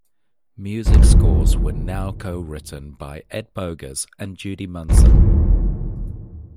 Music scores were now co-written by Ed Bogas and Judy Munsen.